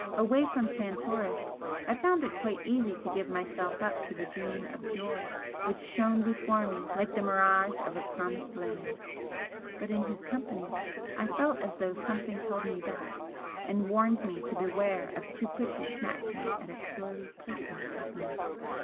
Away from Santoris I found it quite easy to give myself up to the dream of joy which shone before me like the mirage of a promised land, but in his company I felt as though something held me back and warned me to beware of too quickly snatching at a purely personal happiness.